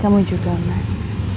kamu juga mas